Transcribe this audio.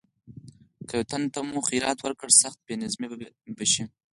که یو تن ته مو خیرات ورکړ سخت بې نظمي به شي.